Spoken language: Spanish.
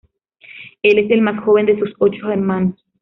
Él es el más joven de sus ocho hermanos.